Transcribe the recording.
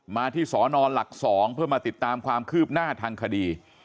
มาที่สนหลัก๒เพื่อมาติดตามความคืบหน้าทางคดี